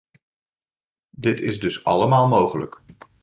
Dit is dus allemaal mogelijk.